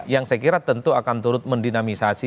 yang saya kira tentu akan turut mendinamisasi